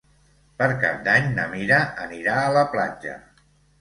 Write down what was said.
Per Cap d'Any na Mira anirà a la platja.